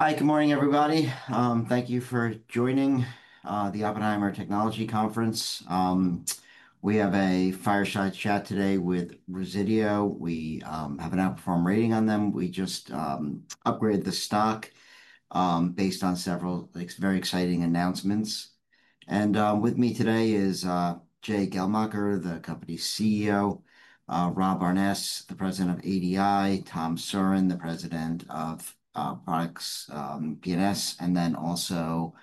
Hi, good morning, everybody. Thank you for joining the Oppenheimer Technology Conference. We have a fireside chat today with Resideo. We have an outperform rating on them. We just upgraded the stock, based on several very exciting announcements. With me today is Jay Geldmacher, the company's CEO, Rob Aarnes, the President of ADI, Tom Surran, the President of Products PNS, and then also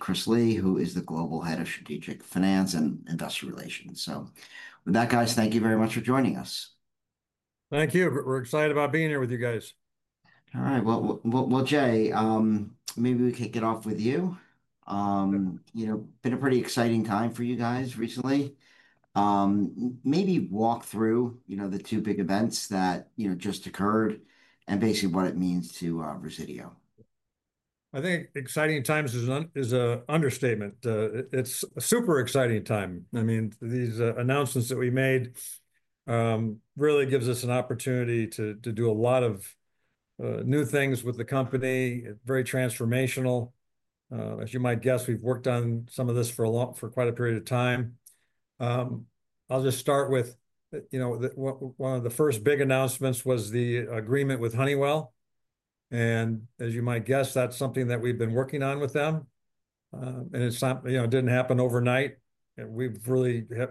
Chris Lee, who is the Global Head of Strategic Finance and Investor Relations. With that, guys, thank you very much for joining us. Thank you. We're excited about being here with you guys. All right. Jay, maybe we could get off with you. You know, it's been a pretty exciting time for you guys recently. Maybe walk through the two big events that just occurred and basically what it means to Resideo. I think exciting times is an understatement. It's a super exciting time. I mean, these announcements that we made really give us an opportunity to do a lot of new things with the company, very transformational. As you might guess, we've worked on some of this for quite a period of time. I'll just start with, you know, one of the first big announcements was the agreement with Honeywell. As you might guess, that's something that we've been working on with them, and it didn't happen overnight. We really, and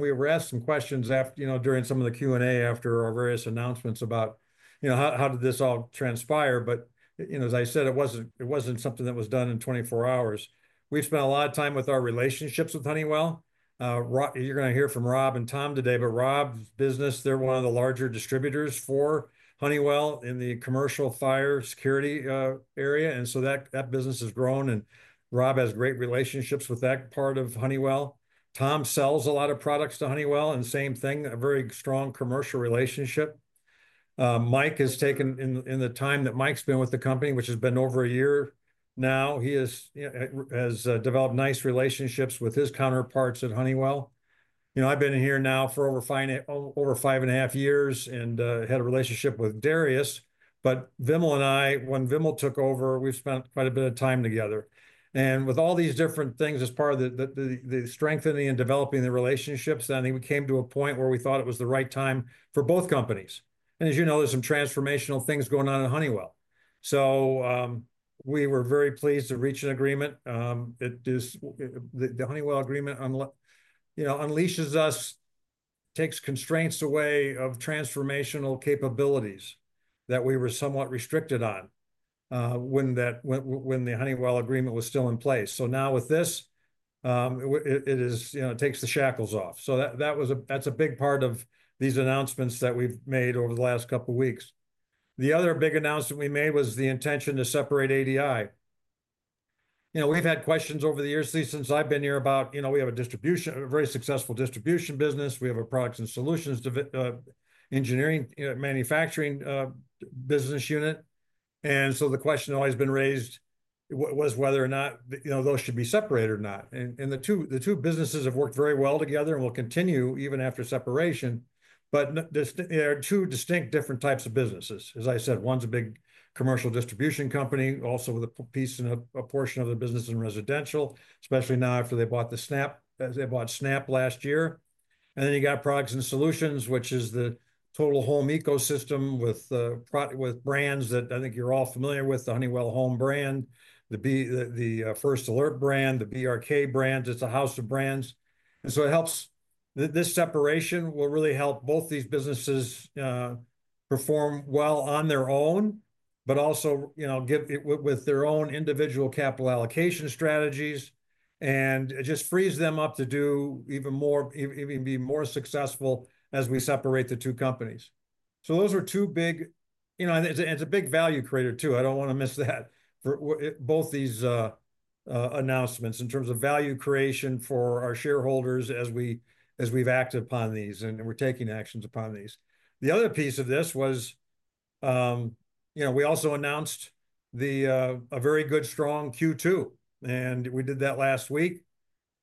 we were asked some questions after, you know, during some of the Q&A after our various announcements about, you know, how did this all transpire? As I said, it wasn't something that was done in 24 hours. We've spent a lot of time with our relationships with Honeywell. You're going to hear from Rob and Tom today, but Rob's business, they're one of the larger distributors for Honeywell in the commercial fire security area. That business has grown and Rob has great relationships with that part of Honeywell. Tom sells a lot of products to Honeywell and same thing, a very strong commercial relationship. Mike has taken, in the time that Mike's been with the company, which has been over a year now, he has developed nice relationships with his counterparts at Honeywell. I've been here now for over five, over five and a half years and had a relationship with Darius. Vimble and I, when Vimble took over, we've spent quite a bit of time together. With all these different things as part of the strengthening and developing the relationships, I think we came to a point where we thought it was the right time for both companies. As you know, there's some transformational things going on in Honeywell. We were very pleased to reach an agreement. The Honeywell agreement unleashes us, takes constraints away of transformational capabilities that we were somewhat restricted on when the Honeywell agreement was still in place. Now with this, it takes the shackles off. That was a big part of these announcements that we've made over the last couple of weeks. The other big announcement we made was the intention to separate ADI. We've had questions over the years, at least since I've been here, about, you know, we have a distribution, a very successful distribution business. We have a Products and Solutions, engineering, manufacturing, business unit. The question that always has been raised was whether or not those should be separated or not. The two businesses have worked very well together and will continue even after separation. There are two distinct different types of businesses. As I said, one is a big commercial distribution company, also with a piece and a portion of the business in residential, especially now after they bought Snap, they bought Snap last year. Then you have Products and Solutions, which is the total home ecosystem with the product, with brands that I think you're all familiar with, the Honeywell Home brand, the First Alert brand, the BRK brands. It's a house of brands. This separation will really help both these businesses perform well on their own, but also give it with their own individual capital allocation strategies and just frees them up to do even more, even be more successful as we separate the two companies. Those were two big, it's a big value creator too. I don't want to miss that for both these announcements in terms of value creation for our shareholders as we've acted upon these and we're taking actions upon these. The other piece of this was, we also announced a very good, strong Q2. We did that last week.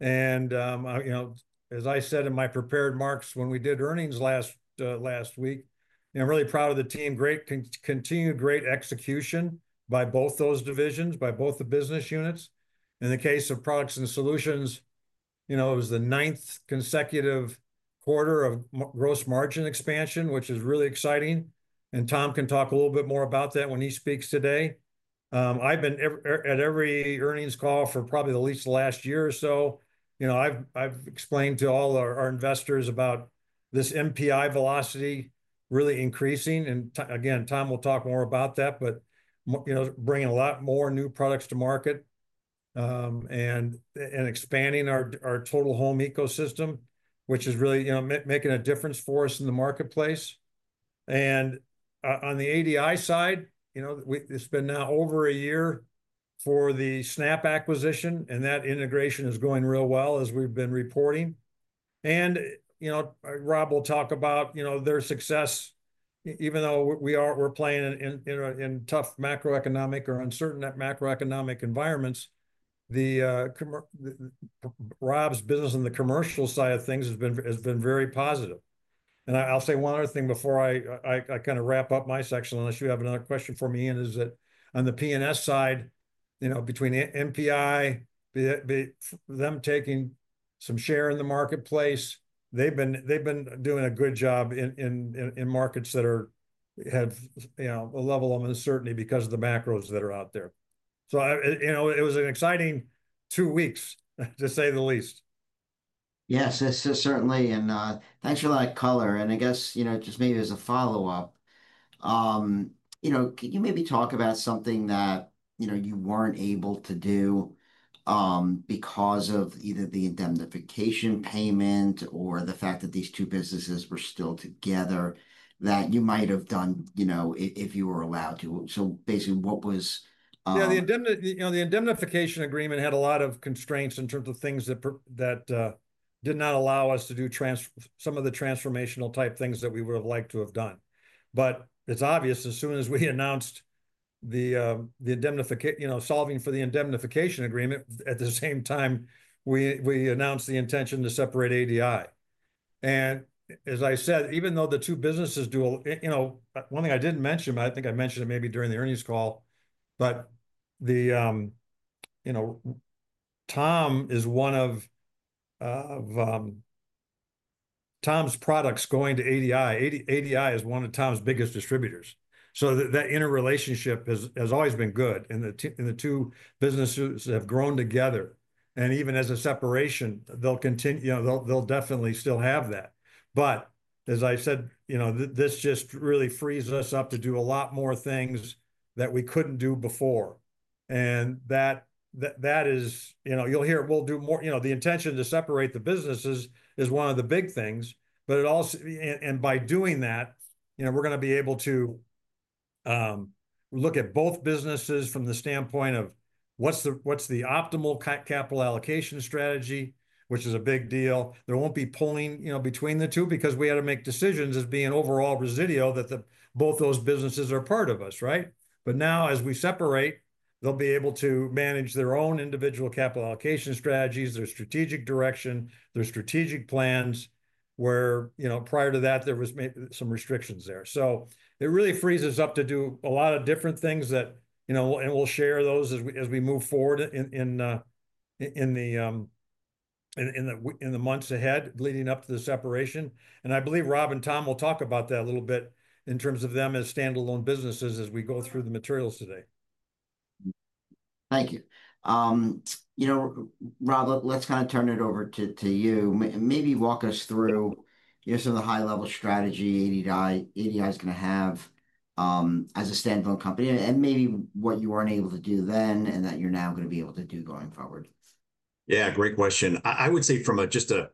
As I said in my prepared marks when we did earnings last week, I'm really proud of the team. Great continued great execution by both those divisions, by both the business units. In the case of Products and Solutions, it was the ninth consecutive quarter of gross margin expansion, which is really exciting. Tom can talk a little bit more about that when he speaks today. I've been at every earnings call for probably at least the last year or so. I've explained to all our investors about this MPI velocity really increasing. Tom will talk more about that, but bringing a lot more new products to market and expanding our total home ecosystem, which is really making a difference for us in the marketplace. On the ADI side, it's been now over a year for the Snap One acquisition and that integration is going real well as we've been reporting. Rob will talk about their success, even though we're playing in tough macroeconomic or uncertain macroeconomic environments. Rob's business on the commercial side of things has been very positive. I'll say one other thing before I wrap up my section, unless you have another question for me, and that is on the PNS side, between MPI, be that, be them taking some share in the marketplace. They've been doing a good job in markets that have a level of uncertainty because of the macros that are out there. It was an exciting two weeks, to say the least. Yes, certainly. Thanks for a lot of color. I guess, just maybe as a follow-up, can you maybe talk about something that you weren't able to do because of either the indemnification payment or the fact that these two businesses were still together that you might have done if you were allowed to? Basically, what was, yeah. The indemnification agreement had a lot of constraints in terms of things that did not allow us to do some of the transformational type things that we would have liked to have done. It's obvious as soon as we announced the indemnification, you know, solving for the indemnification agreement, at the same time, we announced the intention to separate ADI. As I said, even though the two businesses do, you know, one thing I didn't mention, but I think I mentioned it maybe during the earnings call, Tom is one of, Tom's products going to ADI. ADI is one of Tom's biggest distributors. That inner relationship has always been good, and the two businesses have grown together. Even as a separation, they'll continue, they'll definitely still have that. As I said, this just really frees us up to do a lot more things that we couldn't do before. That is, you'll hear it, we'll do more, the intention to separate the businesses is one of the big things, but it also, and by doing that, we're going to be able to look at both businesses from the standpoint of what's the optimal capital allocation strategy, which is a big deal. There won't be pulling between the two because we had to make decisions as being overall Resideo that both those businesses are part of us, right? Now, as we separate, they'll be able to manage their own individual capital allocation strategies, their strategic direction, their strategic plans, where prior to that, there was some restrictions there. It really frees us up to do a lot of different things, and we'll share those as we move forward in the months ahead, leading up to the separation. I believe Rob and Tom will talk about that a little bit in terms of them as standalone businesses as we go through the materials today. Thank you. Rob, let's kind of turn it over to you. Maybe walk us through some of the high-level strategy ADI is going to have as a standalone company and maybe what you weren't able to do then that you're now going to be able to do going forward. Yeah, great question. I would say from just a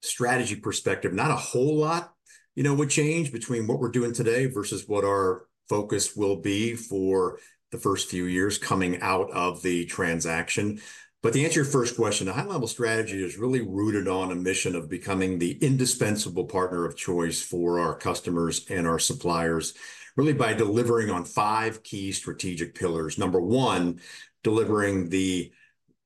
strategy perspective, not a whole lot would change between what we're doing today versus what our focus will be for the first few years coming out of the transaction. To answer your first question, the high-level strategy is really rooted on a mission of becoming the indispensable partner of choice for our customers and our suppliers, really by delivering on five key strategic pillars. Number one, delivering the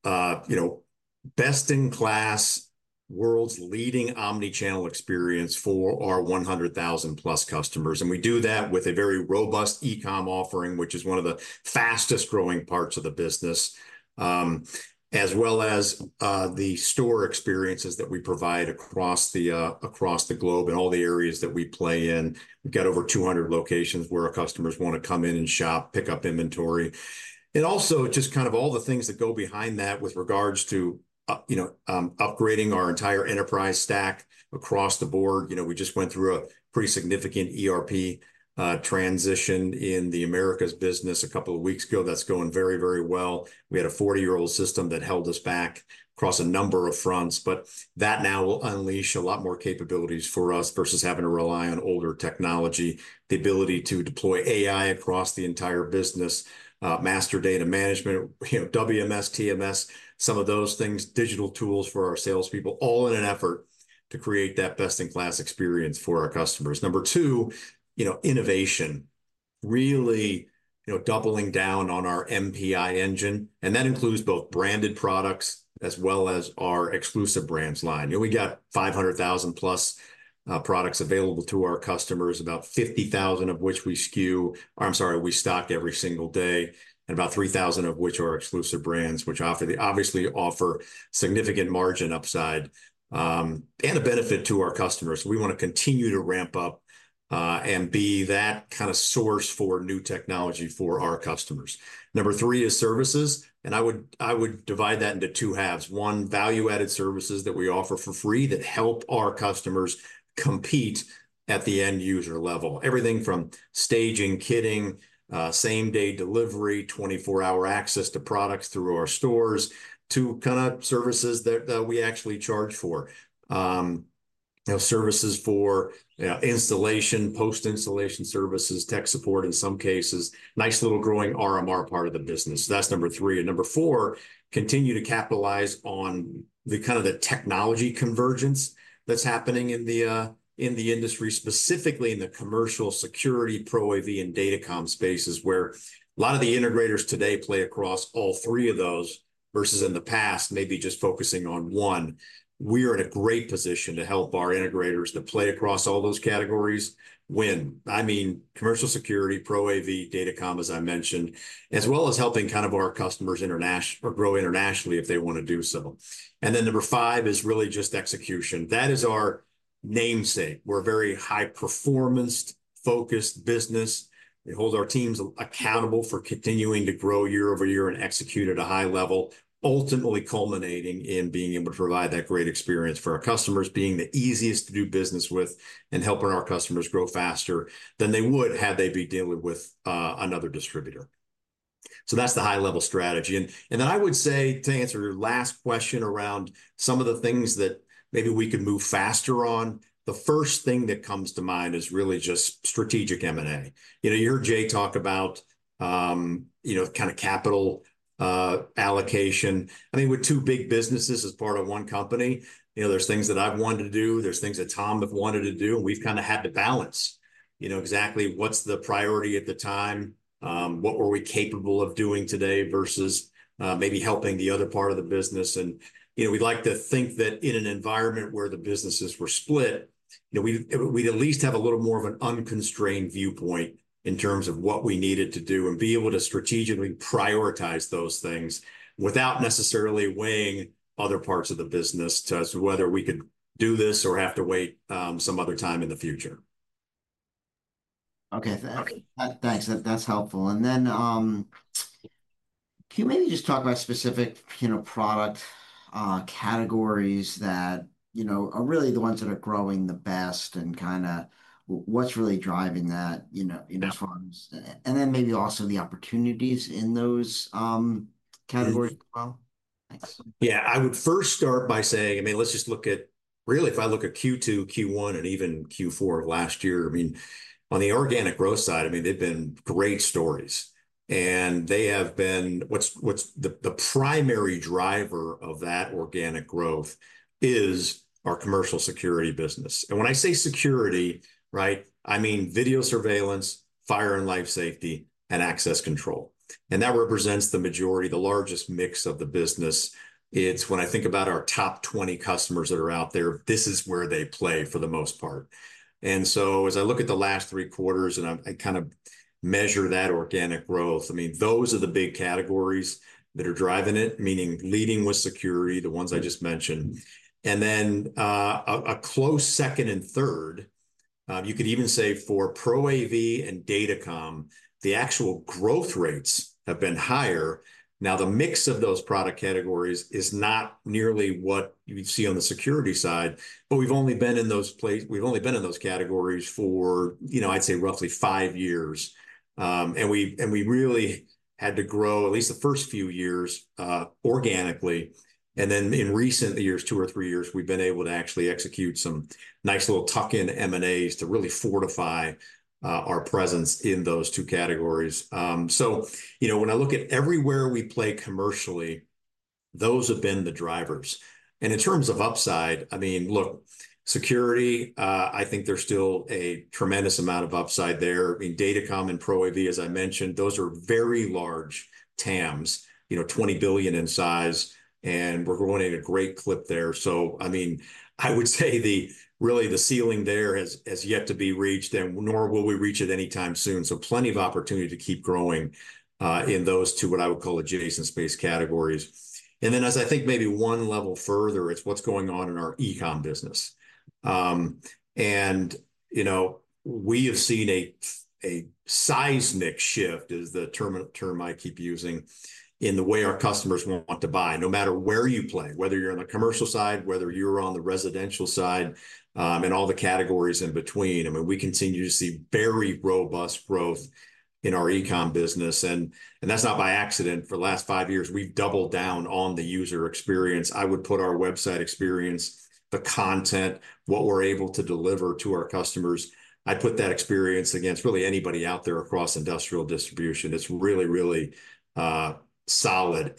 best-in-class, world's leading omnichannel experience for our 100,000+ customers. We do that with a very robust e-comm offering, which is one of the fastest growing parts of the business, as well as the store experiences that we provide across the globe and all the areas that we play in. We've got over 200 locations where our customers want to come in and shop, pick up inventory. Also, just kind of all the things that go behind that with regards to upgrading our entire enterprise stack across the board. We just went through a pretty significant ERP transition in the Americas business a couple of weeks ago. That's going very, very well. We had a 40-year-old system that held us back across a number of fronts, but that now will unleash a lot more capabilities for us versus having to rely on older technology, the ability to deploy AI across the entire business, master data management, WMS, TMS, some of those things, digital tools for our salespeople, all in an effort to create that best-in-class experience for our customers. Number two, innovation, really doubling down on our MPI engine, and that includes both branded products as well as our exclusive brands line. We've got 500,000+ products available to our customers, about 50,000 of which we stock every single day, and about 3,000 of which are exclusive brands, which obviously offer significant margin upside and a benefit to our customers. We want to continue to ramp up and be that kind of source for new technology for our customers. Number three is services, and I would divide that into two halves. One, value-added services that we offer for free that help our customers compete at the end user level. Everything from staging, kitting, same-day delivery, 24-hour access to products through our stores, to kind of services that we actually charge for. Services for installation, post-installation services, tech support in some cases, nice little growing RMR part of the business. That's number three. Number four, continue to capitalize on the kind of technology convergence that's happening in the industry, specifically in the commercial security, pro-AV, and datacom spaces, where a lot of the integrators today play across all three of those versus in the past, maybe just focusing on one. We are in a great position to help our integrators that play across all those categories win. I mean, commercial security, pro-AV, datacom, as I mentioned, as well as helping our customers international or grow internationally if they want to do so. Number five is really just execution. That is our namesake. We're a very high-performance, focused business. We hold our teams accountable for continuing to grow year over year and execute at a high level, ultimately culminating in being able to provide that great experience for our customers, being the easiest to do business with, and helping our customers grow faster than they would had they been dealing with another distributor. That's the high-level strategy. To answer your last question around some of the things that maybe we could move faster on, the first thing that comes to mind is really just strategic M&A. You heard Jay talk about capital allocation. I think with two big businesses as part of one company, there's things that I've wanted to do. There's things that Tom has wanted to do, and we've kind of had to balance exactly what's the priority at the time, what were we capable of doing today versus maybe helping the other part of the business. We'd like to think that in an environment where the businesses were split, we'd at least have a little more of an unconstrained viewpoint in terms of what we needed to do and be able to strategically prioritize those things without necessarily weighing other parts of the business as to whether we could do this or have to wait some other time in the future. Okay, thanks. That's helpful. Can you maybe just talk about specific product categories that are really the ones that are growing the best and kind of what's really driving that in those forms? Maybe also the opportunities in those categories as well. Thanks. Yeah, I would first start by saying, I mean, let's just look at really, if I look at Q2, Q1, and even Q4 of last year, I mean, on the organic growth side, they've been great stories. They've been, what's the primary driver of that organic growth is our commercial security business. When I say security, I mean video surveillance, fire and life safety, and access control. That represents the majority, the largest mix of the business. When I think about our top 20 customers that are out there, this is where they play for the most part. As I look at the last three quarters, and I kind of measure that organic growth, those are the big categories that are driving it, meaning leading with security, the ones I just mentioned. A close second and third, you could even say for pro-AV and datacom, the actual growth rates have been higher. The mix of those product categories is not nearly what you'd see on the security side, but we've only been in those places, we've only been in those categories for, you know, I'd say roughly five years. We really had to grow at least the first few years, organically. In recent years, two or three years, we've been able to actually execute some nice little tuck-in M&As to really fortify our presence in those two categories. When I look at everywhere we play commercially, those have been the drivers. In terms of upside, security, I think there's still a tremendous amount of upside there. Datacom and pro-AV, as I mentioned, those are very large TAMs, $20 billion in size, and we're going in a great clip there. I would say the ceiling there has yet to be reached, and nor will we reach it anytime soon. Plenty of opportunity to keep growing in those two, what I would call adjacent space categories. As I think maybe one level further, it's what's going on in our e-comm business. We have seen a seismic shift, as the term I keep using, in the way our customers want to buy, no matter where you play, whether you're on the commercial side, whether you're on the residential side, and all the categories in between. We continue to see very robust growth in our e-comm business. That's not by accident. For the last five years, we've doubled down on the user experience. I would put our website experience, the content, what we're able to deliver to our customers. I put that experience against really anybody out there across industrial distribution. It's really, really solid.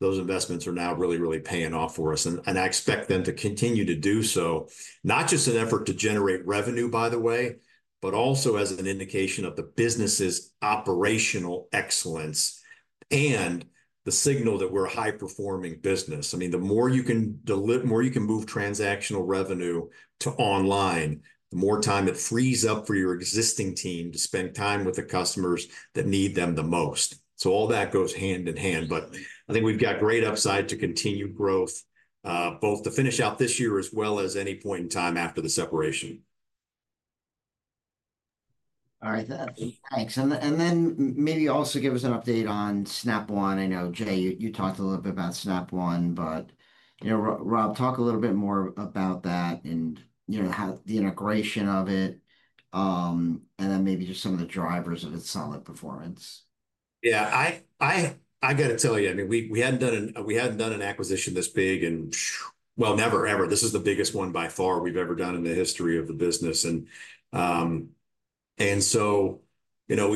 Those investments are now really, really paying off for us. I expect them to continue to do so, not just in an effort to generate revenue, by the way, but also as an indication of the business's operational excellence and the signal that we're a high-performing business. The more you can deliver, the more you can move transactional revenue to online, the more time it frees up for your existing team to spend time with the customers that need them the most. All that goes hand in hand. I think we've got great upside to continue growth, both to finish out this year as well as any point in time after the separation. All right, thanks. Maybe also give us an update on Snap One. I know, Jay, you talked a little bit about Snap One, but, you know, Rob, talk a little bit more about that and, you know, how the integration of it, and then maybe just some of the drivers of its solid performance. I got to tell you, I mean, we hadn't done an acquisition this big and, well, never, ever. This is the biggest one by far we've ever done in the history of the business. We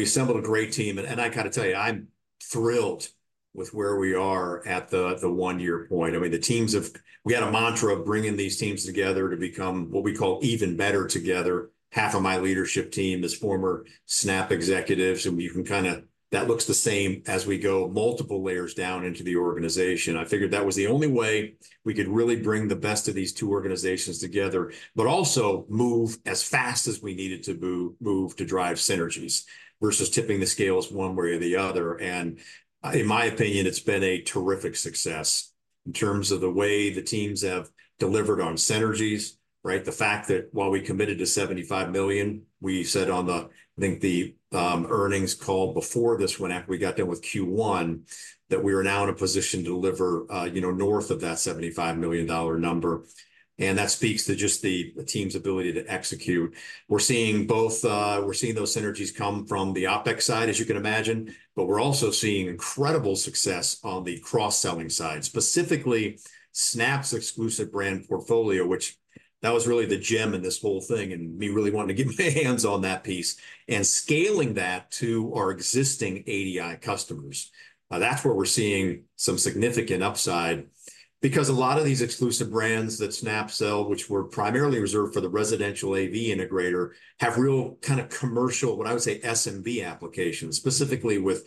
assembled a great team and I got to tell you, I'm thrilled with where we are at the one-year point. The teams have, we had a mantra of bringing these teams together to become what we call even better together. Half of my leadership team is former Snap executives and you can kind of, that looks the same as we go multiple layers down into the organization. I figured that was the only way we could really bring the best of these two organizations together, but also move as fast as we needed to move to drive synergies versus tipping the scales one way or the other. In my opinion, it's been a terrific success in terms of the way the teams have delivered on synergies, right? The fact that while we committed to $75 million, we said on the, I think the earnings call before this one, after we got done with Q1, that we were now in a position to deliver north of that $75 million number. That speaks to just the team's ability to execute. We're seeing those synergies come from the OpEx side, as you can imagine, but we're also seeing incredible success on the cross-selling side, specifically Snap One's exclusive brand portfolio, which that was really the gem in this whole thing. We really wanted to get my hands on that piece and scaling that to our existing ADI customers. That's where we're seeing some significant upside because a lot of these exclusive brands that Snap sells, which were primarily reserved for the residential AV integrator, have real kind of commercial, what I would say, SMB applications, specifically with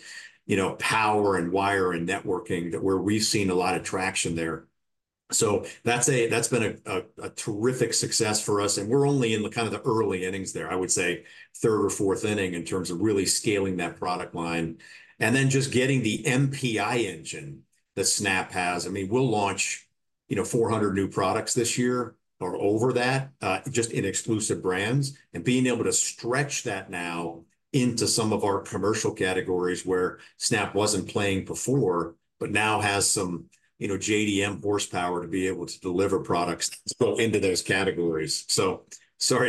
power and wire and networking where we've seen a lot of traction there. That's been a terrific success for us. We're only in the early innings there, I would say third or fourth inning in terms of really scaling that product line and then just getting the MPI engine that Snap has. We'll launch 400 new products this year or over that, just in exclusive brands and being able to stretch that now into some of our commercial categories where Snap wasn't playing before, but now has some JDM horsepower to be able to deliver products into those categories. We're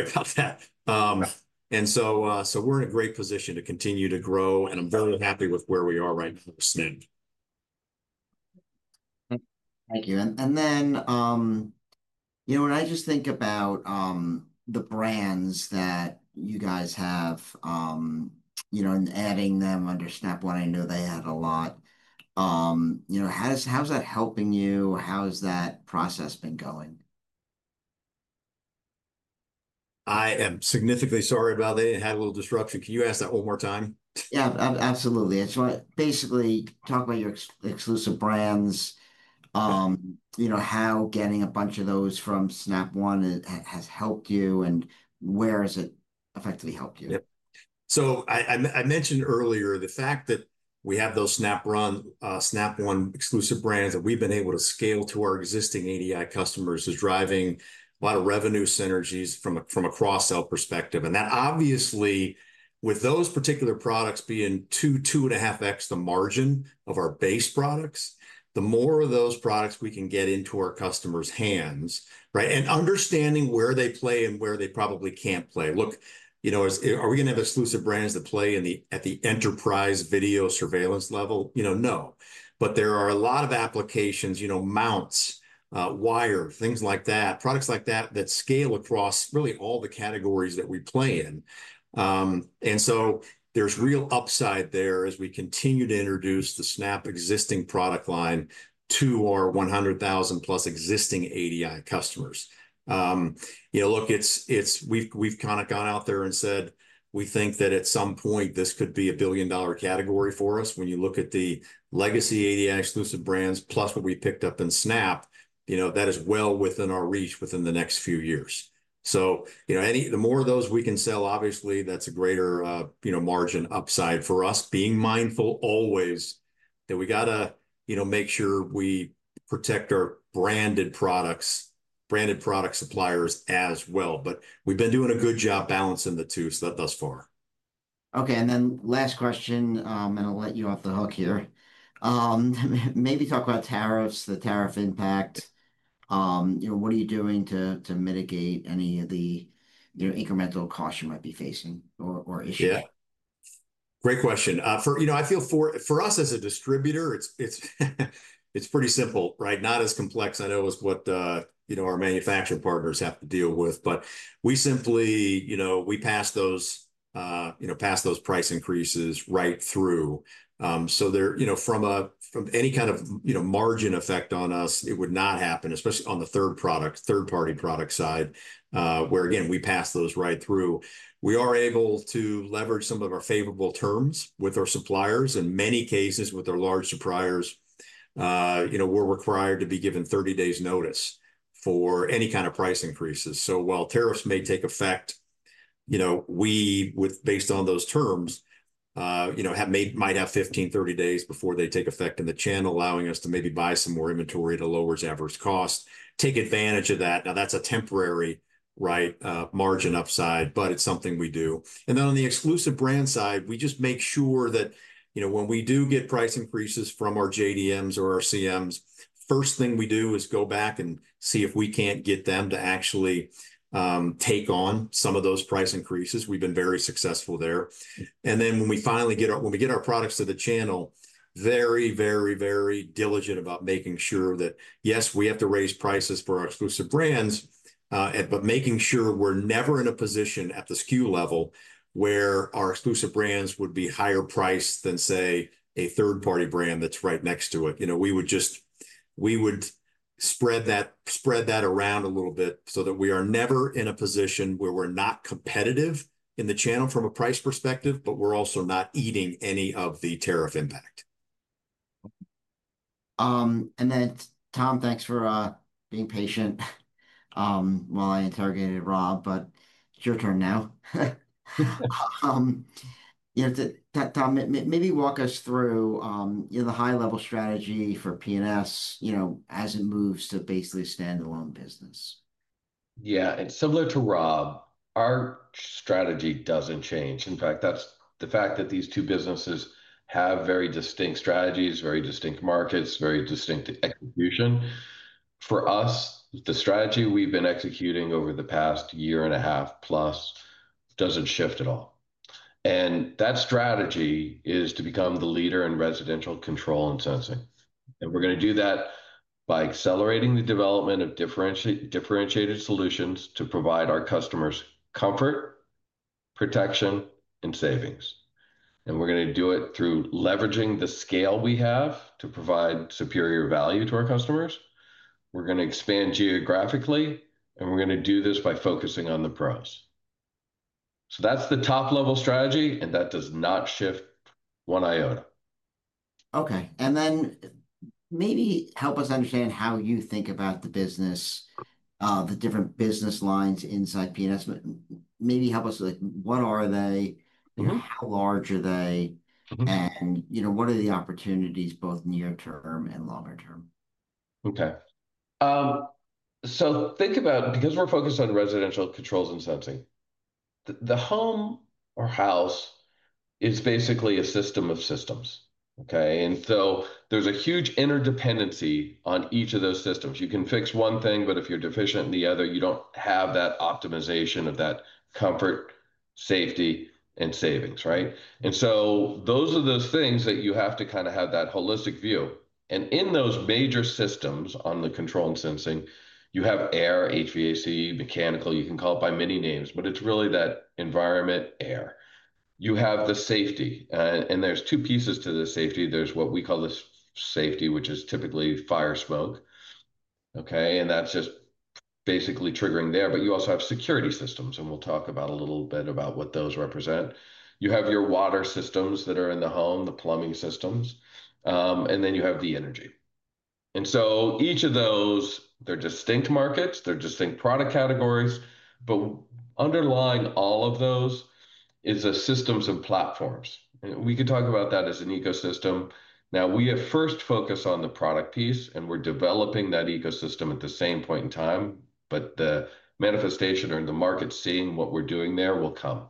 in a great position to continue to grow and I'm very happy with where we are right now. Thank you. When I just think about the brands that you guys have, and adding them under Snap One, I know they had a lot. How's that helping you? How has that process been going? I am significantly sorry about that. It had a little disruption. Can you ask that one more time? Yeah, absolutely. Basically, talk about your exclusive brands, you know, how getting a bunch of those from Snap One has helped you and where has it effectively helped you? Yep. I mentioned earlier the fact that we have those Snap One exclusive brands that we've been able to scale to our existing ADI customers, which is driving a lot of revenue synergies from a cross-sell perspective. That obviously, with those particular products being two, two and a half times the margin of our base products, the more of those products we can get into our customers' hands, right? Understanding where they play and where they probably can't play. Look, are we going to have exclusive brands that play at the enterprise video surveillance level? No, but there are a lot of applications, mounts, wire, things like that, products like that that scale across really all the categories that we play in. There's real upside there as we continue to introduce the Snap existing product line to our 100,000 plus existing ADI customers. We've kind of gone out there and said, we think that at some point this could be a billion dollar category for us. When you look at the legacy ADI exclusive brands, plus what we picked up in Snap, that is well within our reach within the next few years. Any, the more of those we can sell, obviously that's a greater margin upside for us, being mindful always that we got to make sure we protect our branded products, branded product suppliers as well. We've been doing a good job balancing the two thus far. Okay. Last question, I'll let you off the hook here. Maybe talk about tariffs, the tariff impact. What are you doing to mitigate any of the incremental costs you might be facing or issues? Yeah, great question. For us as a distributor, it's pretty simple, right? Not as complex. I know it's what our manufacturing partners have to deal with, but we simply pass those price increases right through. From any kind of margin effect on us, it would not happen, especially on the third-party product side, where again, we pass those right through. We are able to leverage some of our favorable terms with our suppliers. In many cases, with our large suppliers, we're required to be given 30 days' notice for any kind of price increases. While tariffs may take effect, based on those terms, we might have 15, 30 days before they take effect in the channel, allowing us to maybe buy some more inventory to lower the average cost and take advantage of that. Now that's a temporary margin upside, but it's something we do. On the exclusive brand side, we just make sure that when we do get price increases from our JDMs or our CMs, first thing we do is go back and see if we can't get them to actually take on some of those price increases. We've been very successful there. When we finally get our products to the channel, we are very diligent about making sure that, yes, we have to raise prices for our exclusive brands, but making sure we're never in a position at the SKU level where our exclusive brands would be higher priced than, say, a third-party brand that's right next to it. We would just spread that around a little bit so that we are never in a position where we're not competitive in the channel from a price perspective, but we're also not eating any of the tariff impact. Tom, thanks for being patient while I interrogated Rob, but it's your turn now. Tom, maybe walk us through the high-level strategy for PNS as it moves to basically a standalone business. Yeah, it's similar to Rob. Our strategy doesn't change. In fact, the fact that these two businesses have very distinct strategies, very distinct markets, very distinct execution. For us, the strategy we've been executing over the past year and a half plus doesn't shift at all. That strategy is to become the leader in residential control and sensing. We're going to do that by accelerating the development of differentiated solutions to provide our customers comfort, protection, and savings. We're going to do it through leveraging the scale we have to provide superior value to our customers. We're going to expand geographically, and we're going to do this by focusing on the pros. That's the top-level strategy, and that does not shift one iota. Okay. Maybe help us understand how you think about the business, the different business lines inside PNS, but maybe help us with what are they, you know, how large are they, and you know, what are the opportunities both near-term and longer term? Okay. So think about, because we're focused on residential controls and sensing, the home or house is basically a system of systems. There's a huge interdependency on each of those systems. You can fix one thing, but if you're deficient in the other, you don't have that optimization of that comfort, safety, and savings, right? Those are the things that you have to kind of have that holistic view. In those major systems on the control and sensing, you have air, HVAC, mechanical, you can call it by many names, but it's really that environment air. You have the safety, and there's two pieces to the safety. There's what we call the safety, which is typically fire smoke. That's just basically triggering there. You also have security systems, and we'll talk a little bit about what those represent. You have your water systems that are in the home, the plumbing systems, and then you have the energy. Each of those, they're distinct markets, they're distinct product categories, but underlying all of those is the systems and platforms. We could talk about that as an ecosystem. Now we have first focused on the product piece, and we're developing that ecosystem at the same point in time, but the manifestation or the market seeing what we're doing there will come.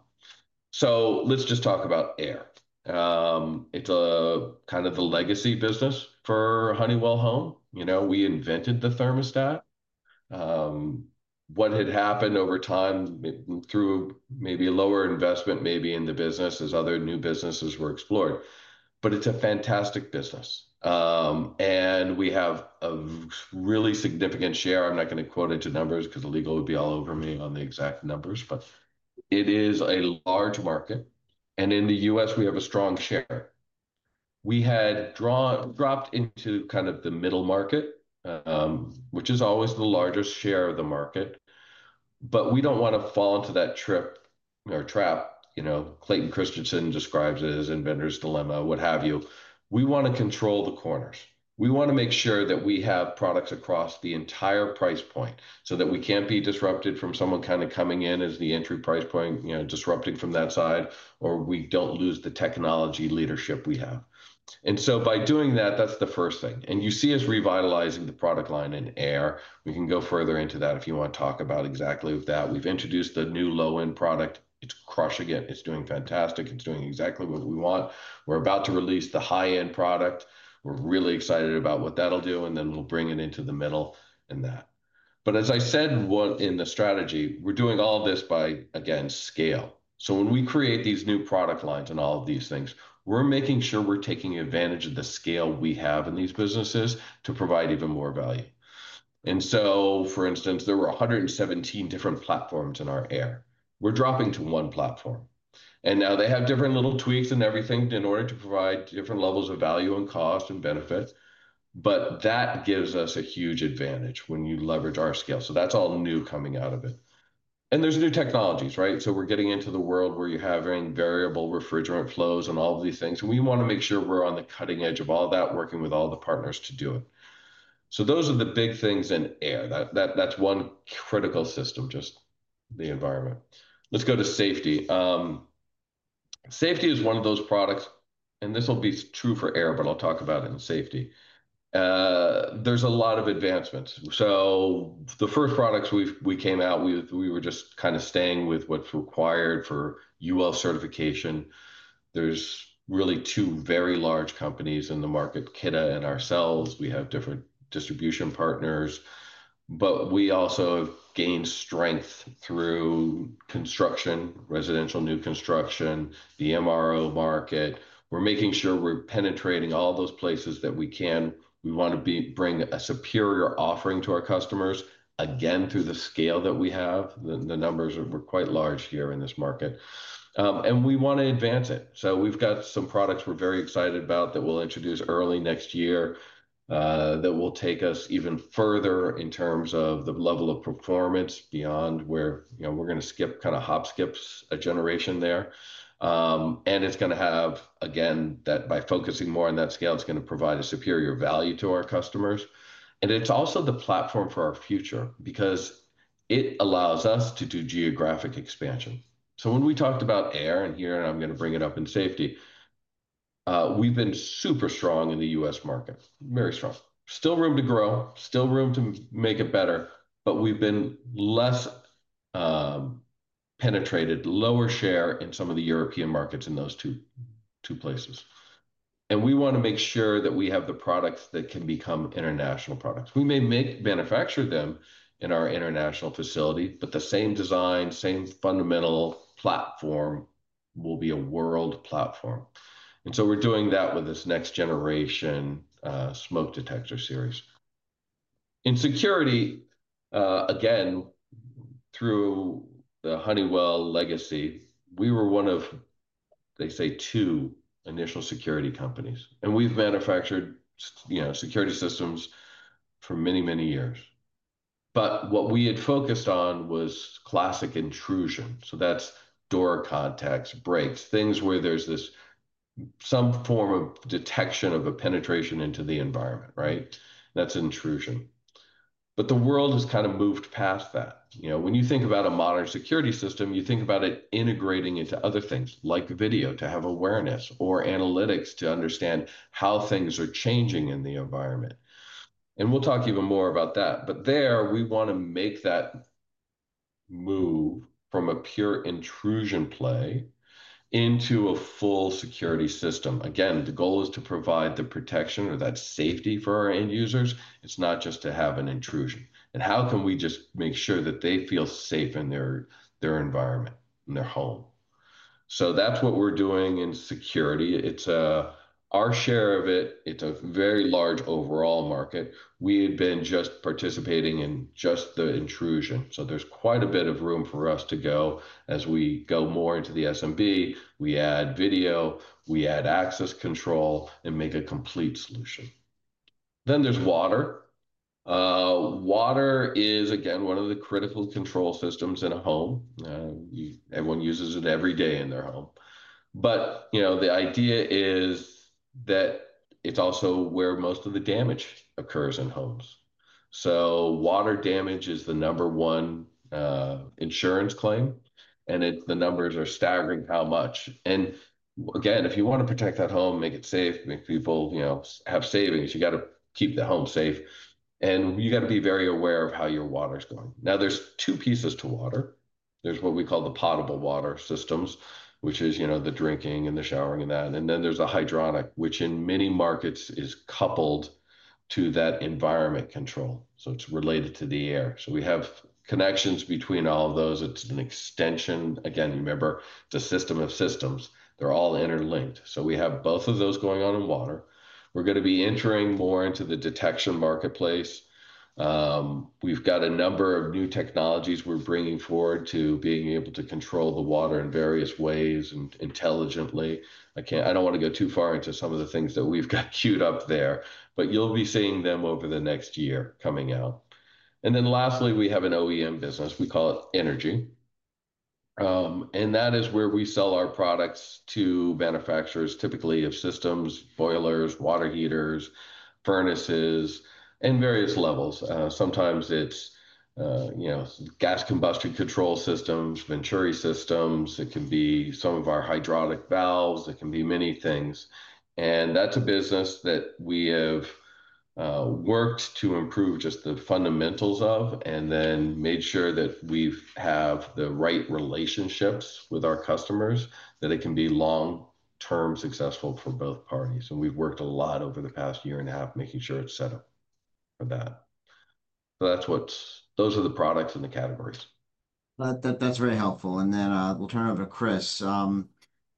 Let's just talk about air. It's kind of the legacy business for Honeywell Home. You know, we invented the thermostat. What had happened over time through maybe a lower investment, maybe in the business as other new businesses were explored, but it's a fantastic business. We have a really significant share. I'm not going to quote into numbers because the legal would be all over me on the exact numbers, but it is a large market. In the U.S., we have a strong share. We had dropped into kind of the middle market, which is always the largest share of the market, but we don't want to fall into that trip or trap, you know, Clayton Christensen describes it as inventor's dilemma, what have you. We want to control the corners. We want to make sure that we have products across the entire price point so that we can't be disrupted from someone kind of coming in as the entry price point, disrupting from that side, or we don't lose the technology leadership we have. By doing that, that's the first thing. You see us revitalizing the product line in air. We can go further into that if you want to talk about exactly that. We've introduced the new low-end product. It's crushing it. It's doing fantastic. It's doing exactly what we want. We're about to release the high-end product. We're really excited about what that'll do, and then we'll bring it into the middle and that. As I said in the strategy, we're doing all this by, again, scale. When we create these new product lines and all of these things, we're making sure we're taking advantage of the scale we have in these businesses to provide even more value. For instance, there were 117 different platforms in our air. We're dropping to one platform. Now they have different little tweaks and everything in order to provide different levels of value and cost and benefits. That gives us a huge advantage when you leverage our scale. That's all new coming out of it. There are new technologies, right? We're getting into the world where you're having variable refrigerant flows and all of these things. We want to make sure we're on the cutting edge of all that, working with all the partners to do it. Those are the big things in air. That's one critical system, just the environment. Let's go to safety. Safety is one of those products, and this will be true for air, but I'll talk about it in safety. There are a lot of advancements. The first products we came out, we were just kind of staying with what's required for UL certification. There are really two very large companies in the market, Kidde and ourselves. We have different distribution partners, but we also have gained strength through construction, residential new construction, the MRO market. We're making sure we're penetrating all those places that we can. We want to bring a superior offering to our customers, again, through the scale that we have. The numbers are quite large here in this market, and we want to advance it. We've got some products we're very excited about that we'll introduce early next year, that will take us even further in terms of the level of performance beyond where, you know, we're going to skip kind of hop skips a generation there. It's going to have, again, that by focusing more on that scale, it's going to provide a superior value to our customers. It's also the platform for our future because it allows us to do geographic expansion. When we talked about air, and here I'm going to bring it up in safety, we've been super strong in the U.S. market, very strong. Still room to grow, still room to make it better, but we've been less penetrated, lower share in some of the European markets in those two places. We want to make sure that we have the products that can become international products. We may manufacture them in our international facility, but the same design, same fundamental platform will be a world platform. We're doing that with this next generation smoke detector series. In security, again, through the Honeywell legacy, we were one of, they say, two initial security companies. We've manufactured, you know, security systems for many, many years. What we had focused on was classic intrusion. That's door contacts, breaks, things where there's some form of detection of a penetration into the environment, right? That's intrusion. The world has kind of moved past that. You know, when you think about a modern security system, you think about it integrating into other things like video to have awareness or analytics to understand how things are changing in the environment. We'll talk even more about that. There, we want to make that move from a pure intrusion play into a full security system. The goal is to provide the protection or that safety for our end users. It's not just to have an intrusion. How can we just make sure that they feel safe in their environment, in their home? That's what we're doing in security. It's our share of it. It's a very large overall market. We had been just participating in just the intrusion. There's quite a bit of room for us to go as we go more into the SMB. We add video, we add access control, and make a complete solution. There's water. Water is, again, one of the critical control systems in a home. Everyone uses it every day in their home. The idea is that it's also where most of the damage occurs in homes. Water damage is the number one insurance claim. The numbers are staggering how much. If you want to protect that home, make it safe, make people, you know, have savings, you got to keep the home safe. You got to be very aware of how your water's going. Now there's two pieces to water. There's what we call the potable water systems, which is, you know, the drinking and the showering and that. Then there's a hydronic, which in many markets is coupled to that environment control. It's related to the air. We have connections between all of those. It's an extension. Again, you remember the system of systems. They're all interlinked. We have both of those going on in water. We are going to be entering more into the detection marketplace. We've got a number of new technologies we're bringing forward to be able to control the water in various ways and intelligently. I can't, I don't want to go too far into some of the things that we've got queued up there, but you'll be seeing them over the next year coming out. Lastly, we have an OEM business. We call it Energy. That is where we sell our products to manufacturers, typically of systems, boilers, water heaters, furnaces, and various levels. Sometimes it's gas combustion control systems, venturi systems. It can be some of our hydraulic valves. It can be many things. That is a business that we have worked to improve just the fundamentals of and then made sure that we have the right relationships with our customers so that it can be long-term successful for both parties. We've worked a lot over the past year and a half making sure it's set up for that. Those are the products and the categories. That's very helpful. We'll turn it over to Chris.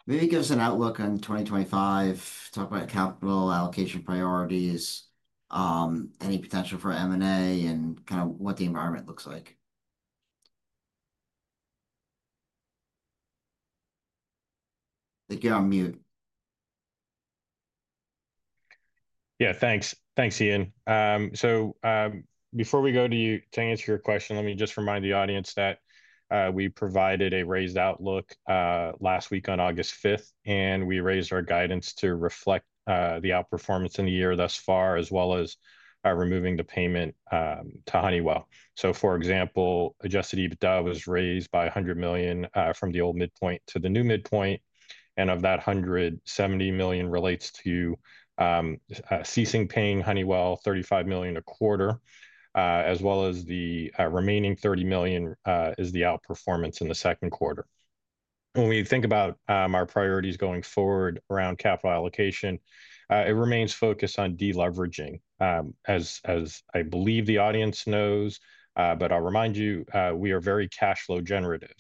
Maybe give us an outlook on 2025, talk about capital allocation priorities, any potential for M&A, and kind of what the environment looks like. I think you're on mute. Yeah, thanks. Thanks, Ian. Before we go to answer your question, let me just remind the audience that we provided a raised outlook last week on August 5th, and we raised our guidance to reflect the outperformance in the year thus far, as well as removing the payment to Honeywell. For example, adjusted EBITDA was raised by $100 million from the old midpoint to the new midpoint. Of that, $170 million relates to ceasing paying Honeywell, $35 million a quarter, as well as the remaining $30 million is the outperformance in the second quarter. When we think about our priorities going forward around capital allocation, it remains focused on deleveraging. As I believe the audience knows, but I'll remind you, we are very cash flow generative,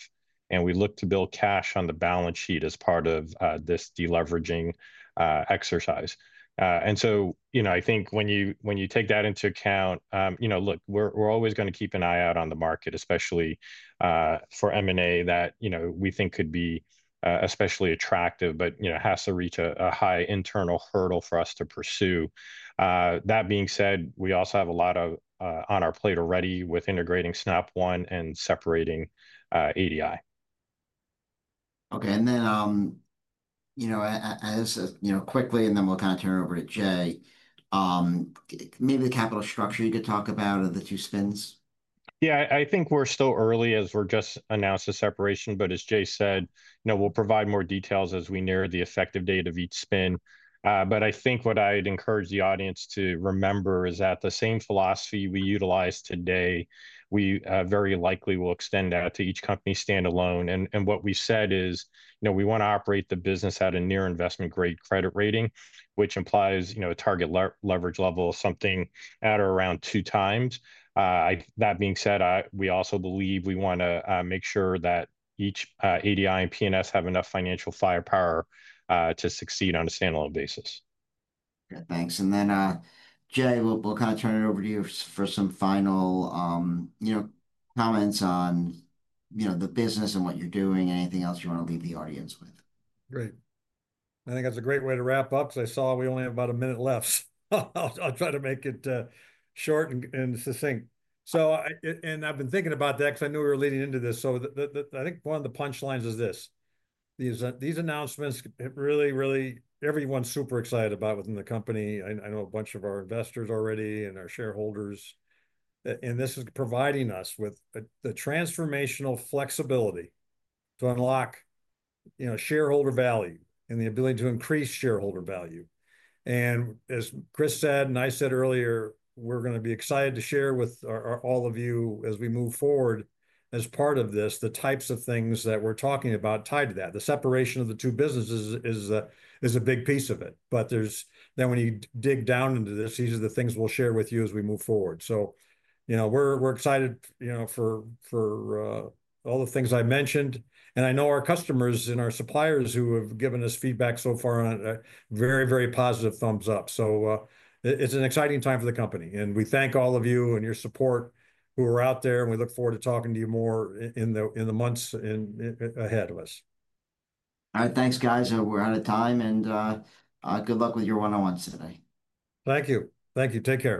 and we look to build cash on the balance sheet as part of this deleveraging exercise. I think when you take that into account, look, we're always going to keep an eye out on the market, especially for M&A that we think could be especially attractive, but it has to reach a high internal hurdle for us to pursue. That being said, we also have a lot on our plate already with integrating Snap One and separating ADI. Okay, as quickly, we'll kind of turn it over to Jay. Maybe the capital structure you could talk about in the two spins. Yeah, I think we're still early as we just announced the separation, but as Jay said, we'll provide more details as we near the effective date of each spin. I think what I'd encourage the audience to remember is that the same philosophy we utilize today, we very likely will extend that to each company standalone. What we said is, we want to operate the business at a near investment-grade credit rating, which implies a target leverage level of something at or around two times. That being said, we also believe we want to make sure that each ADI and PNS have enough financial firepower to succeed on a standalone basis. Thanks. Jay, we'll turn it over to you for some final comments on the business and what you're doing, anything else you want to leave the audience with. Great. I think that's a great way to wrap up because I saw we only have about a minute left. I'll try to make it short and succinct. I've been thinking about that because I knew we were leading into this. I think one of the punchlines is this. These announcements really, really, everyone's super excited about within the company. I know a bunch of our investors already and our shareholders. This is providing us with the transformational flexibility to unlock shareholder value and the ability to increase shareholder value. As Chris said, and I said earlier, we're going to be excited to share with all of you as we move forward as part of this, the types of things that we're talking about tied to that. The separation of the two businesses is a big piece of it. When you dig down into this, these are the things we'll share with you as we move forward. We're excited for all the things I mentioned. I know our customers and our suppliers who have given us feedback so far on a very, very positive thumbs up. It's an exciting time for the company. We thank all of you and your support who are out there, and we look forward to talking to you more in the months ahead. All right, thanks guys. We're out of time. Good luck with your one-on-ones today. Thank you. Thank you. Take care.